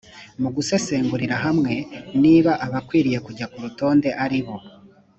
mu gusesengurira hamwe niba abakwiriye kujya ku rutonde ari abo